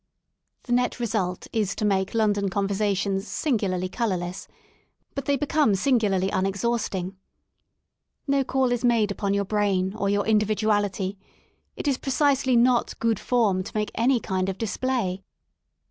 The net result is to make London conversations sin gularly colourless ; but they become singularly unex hausting. No call is made upon your brain or your individuality ; it is precisely not good form " to make any kind of display.